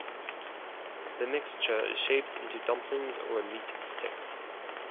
The mixture is shaped into dumplings or meat sticks.